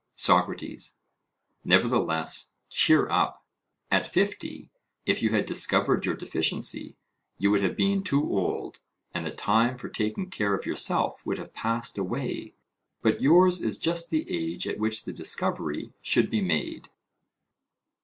SOCRATES: Nevertheless, cheer up; at fifty, if you had discovered your deficiency, you would have been too old, and the time for taking care of yourself would have passed away, but yours is just the age at which the discovery should be made.